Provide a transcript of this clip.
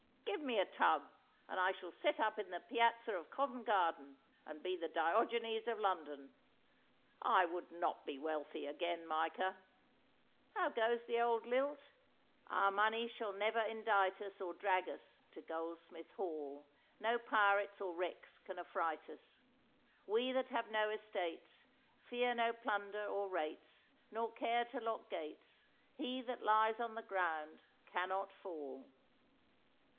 Give me a tub, and I shall set up in the Piazza of Covent Garden, and be the Diogenes of London. I would not be wealthy again, Micah! How goes the old lilt? "Our money shall never indite us Or drag us to Goldsmith Hall, No pirates or wrecks can affright us. We that have no estates Fear no plunder or rates, Nor care to lock gates. He that lies on the ground cannot fall!"